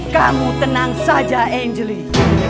kamu tenang saja angelina